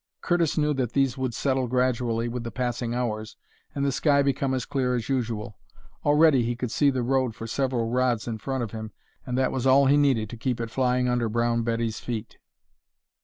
Curtis knew that these would settle gradually with the passing hours and the sky become as clear as usual. Already he could see the road for several rods in front of him, and that was all he needed to keep it flying under Brown Betty's feet.